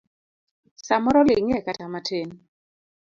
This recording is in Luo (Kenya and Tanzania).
Samoro ling'ie kata matin.